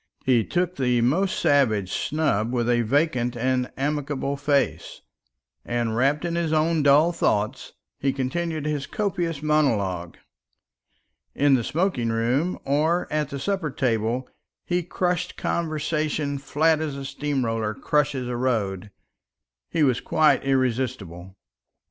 He took the most savage snub with a vacant and amicable face; and, wrapped in his own dull thoughts, he continued his copious monologue. In the smoking room or at the supper table he crushed conversation flat as a steam roller crushes a road. He was quite irresistible.